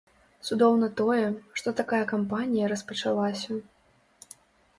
Цудоўна тое, што такая кампанія распачалася.